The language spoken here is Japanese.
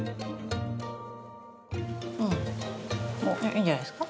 いいんじゃないですか？